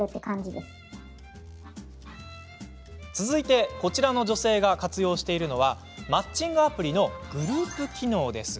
続いて、こちらの女性が活用しているのはマッチングアプリのグループ機能。